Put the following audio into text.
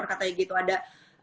katanya gitu ada